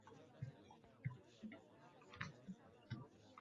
Qaysi tilda gapirsang ham mayli.